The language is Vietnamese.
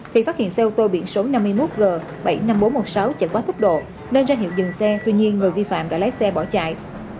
thì phát hiện xe ô tô biển số năm mươi một g bảy mươi năm nghìn bốn trăm một mươi sáu chạy quá tốc độ nên ra hiệu dừng xe tuy nhiên người vi phạm đã lái xe bỏ chạy